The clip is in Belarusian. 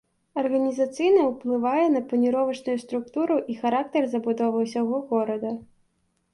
Арганізацыйна ўплывае на планіровачную структуру і характар забудовы ўсяго горада.